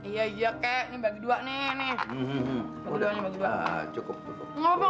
kalau jam sembilan waktu tuan tuh kukusin tentang net